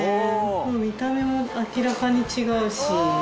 見た目も明らかに違うし。